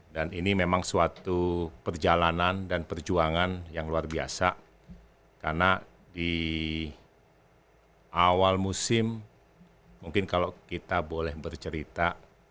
dan ini memang suatu perjalanan dan perjuangan yang luar biasa karena di awal musim mungkin kalau kita boleh bercerita